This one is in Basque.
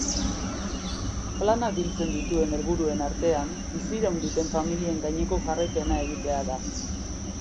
Planak biltzen dituen helburuen artean, biziraun duten familien gaineko jarraipena egitea da.